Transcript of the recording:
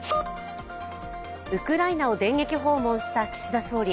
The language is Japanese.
ウクライナを電撃訪問した岸田総理。